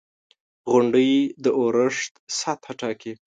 • غونډۍ د اورښت سطحه ټاکي.